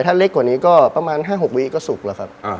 ถ้าเล็กกว่านี้ก็ประมาณ๕๖วิก็สุกแล้วครับ